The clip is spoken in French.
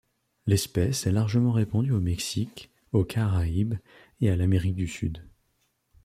L'espèce est largement répandu du Mexique, aux Caraïbes et à l'Amérique du Sud.